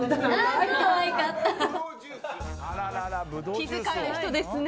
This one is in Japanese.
気遣いの人ですね。